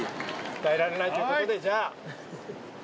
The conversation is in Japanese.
耐えられないという事でじゃあ。